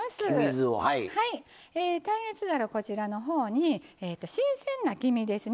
耐熱皿こちらの方に新鮮な黄身ですね